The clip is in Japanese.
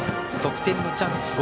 得点のチャンス